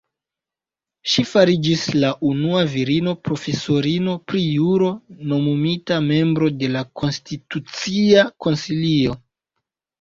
Ŝi fariĝis la unua virino profesorino pri juro nomumita membro de la Konstitucia Konsilio.